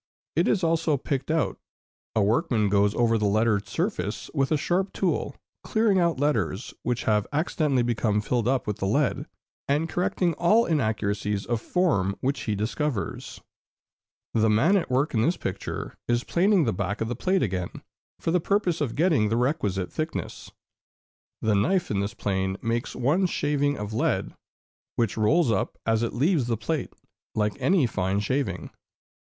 It is also picked out: a workman goes over the lettered surface with a sharp tool, clearing out letters which have accidentally become filled up with lead, and correcting all inaccuracies of form which he discovers. [Illustration: Planing and Beveling.] The man at work in this picture is planing the back of the plate again, for the purpose of getting the requisite thickness. The knife in this plane makes one shaving of lead, which rolls up as it leaves the plate, like any fine shaving.